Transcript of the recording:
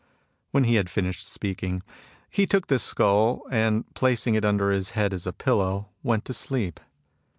" When he had finished speaking, he took the skull and, placing it under his head as a pillow, went to sleep.